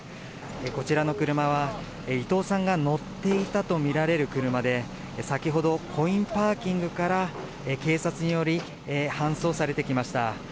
こちらの車は、伊藤さんが乗っていたと見られる車で、先ほど、コインパーキングから警察により、搬送されてきました。